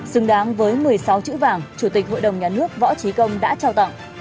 xứng đáng với một mươi sáu chữ vàng chủ tịch hội đồng nhà nước võ trí công đã trao tặng